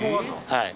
はい。